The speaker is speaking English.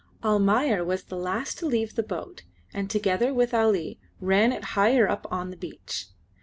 Almayer was the last to leave the boat, and together with Ali ran it higher up on the beach.